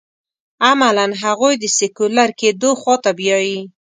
عملاً هغوی د سیکولر کېدو خوا ته بیايي.